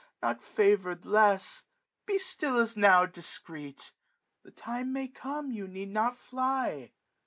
not favoured less ; be still as now *' Discreet j the time may come you need not fly."